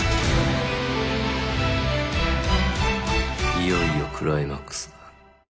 いよいよクライマックスだ。